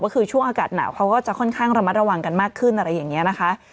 ก็คือช่วงอากาศหนาวเขาก็จะค่อนข้างระมัดระวังกันมากขึ้นอะไรอย่างนี้นะคะ